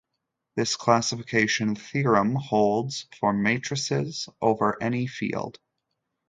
This classification theorem holds for matrices over any field.